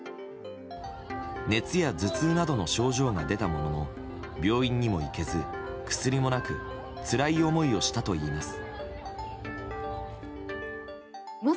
熱や頭痛などの症状が出たものの病院にも行けず薬もなくつらい思いをしたといいます。